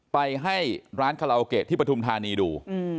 ไปให้ร้านคาราโอเกะที่ปฐุมธานีดู